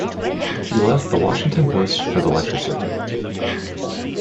He left "The Washington Post" for the lecture circuit.